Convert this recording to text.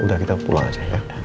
udah kita pulang aja ya